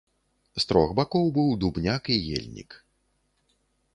З трох бакоў быў дубняк і ельнік.